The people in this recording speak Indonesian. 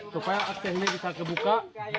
supaya akses ini bisa kebuka